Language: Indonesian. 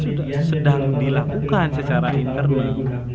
itu sedang dilakukan secara internal